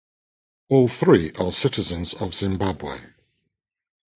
All three are citizens of Zimbabwe.